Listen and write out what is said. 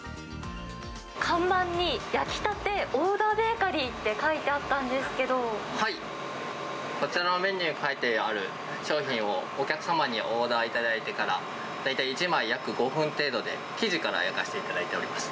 看板に焼きたてオーダーベーカリーって書いてあったんですけこちらのメニューに書いてある商品をお客さんにオーダー頂いてから、大体１枚約５分程度で生地から焼かせていただいております。